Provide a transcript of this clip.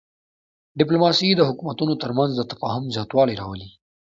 ډیپلوماسي د حکومتونو ترمنځ د تفاهم زیاتوالی راولي.